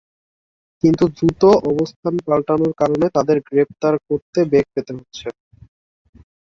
কিন্তু দ্রুত অবস্থান পাল্টানোর কারণে তাদের গ্রেপ্তার করতে বেগ পেতে হচ্ছে।